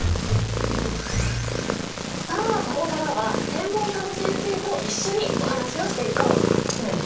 さあここからは専門家の先生と一緒にお話をしていこう。